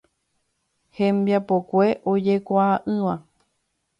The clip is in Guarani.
Hembiapokue ojekuaa'ỹva.